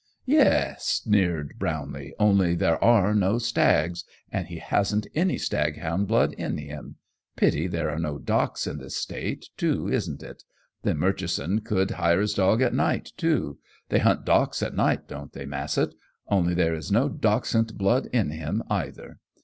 "Yes!" sneered Brownlee, "only there are no stags. And he hasn't any staghound blood in him. Pity there are no Dachs in this State, too, isn't it? Then Murchison could hire his dog at night, too. They hunt Dachs at night, don't they, Massett? Only there is no Dachshund blood in him, either.